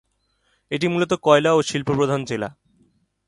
এটি মূলত কয়লা ও শিল্প প্রধান জেলা।